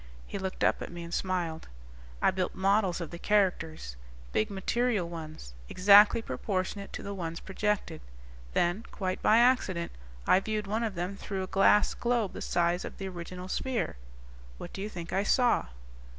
He looked up at me and smiled. "I built models of the characters. Big material ones, exactly proportionate to the ones projected. Then quite by accident I viewed one of them through a glass globe the size of the original sphere. What do you think I saw?"